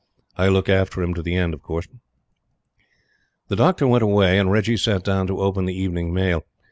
I'll look after him to the end, of course." The doctor went away, and Reggie sat down to open the evening mail.